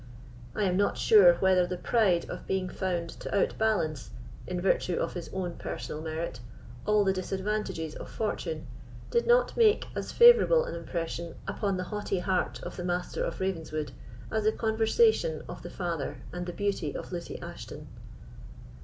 I am not sure whether the pride of being found to outbalance, in virtue of his own personal merit, all the disadvantages of fortune, did not make as favourable an impression upon the haughty heart of the Master of Ravenswood as the conversation of the father and the beauty of Lucy Ashton.